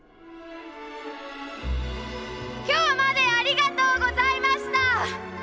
今日までありがとうございました！